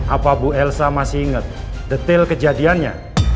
apa bu elsa masih ingat detail kejadiannya